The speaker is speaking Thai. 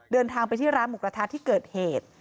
เดินทางไปที่ร้านหมูกระทะที่เกิดเหตุ